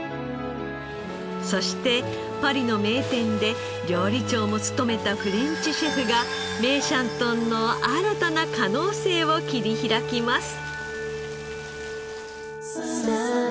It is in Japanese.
そしてパリの名店で料理長も務めたフレンチシェフが梅山豚の新たな可能性を切り開きます。